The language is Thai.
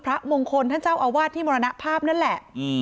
พระมงคลท่านเจ้าอาวาสที่มรณภาพนั่นแหละ